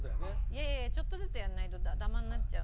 いやいやちょっとずつやらないとダマになっちゃうので。